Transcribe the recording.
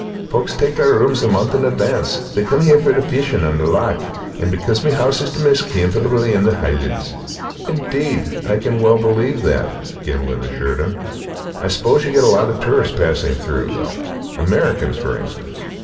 Folks tak' their rooms a month in advance; they come here for the fishin' on the loch, and because my hoose is the maist comfortable in the Hielands." "Indeed, I can well believe that," Gimblet assured him. "I suppose you get a lot of tourists passing through, though, Americans, for instance?"